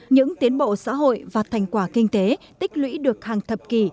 những tiến bộ xã hội và thành quả kinh tế tích lũy được hàng thập kỷ